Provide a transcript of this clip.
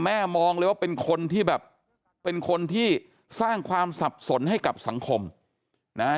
มองเลยว่าเป็นคนที่แบบเป็นคนที่สร้างความสับสนให้กับสังคมนะฮะ